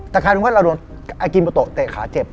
แต่ใครที่ว่าเราโดนอากิมโปโตะเตะขาเจ็บ